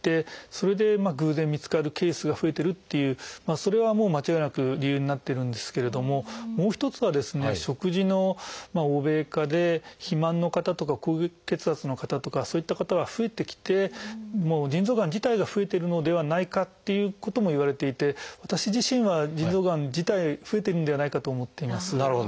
それで偶然見つかるケースが増えてるっていうそれはもう間違いなく理由になってるんですけれどももう一つはですね食事の欧米化で肥満の方とか高血圧の方とかそういった方が増えてきてもう腎臓がん自体が増えているのではないかっていうこともいわれていて私自身は腎臓がん自体増えてるんではないかと思っています。